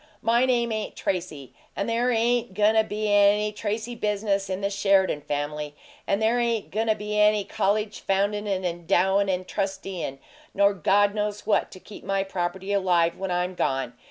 MY name ain't Tracy, and there ain't goin' to be any Tracy business in the Sheridan family. And there ain't goin' to be any college foundin' and endowin' and trusteein', nor God knows what to keep my property alive when I'm gone!